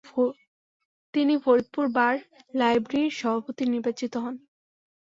তিনি ফরিদপুর বার লাইব্রেরীর সভাপতি নির্বাচিত হন।